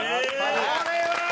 これは！